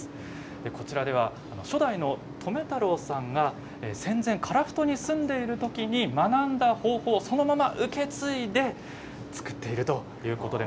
こちらは初代の留太郎さんが戦前から移り住んでいるときに学んだ方法をそのまま受け継いで作っているということなんです。